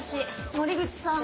森口さん。